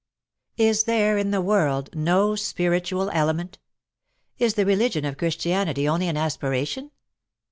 Is there in the world no spiritual element ? Is the religion of Christianity only an aspiration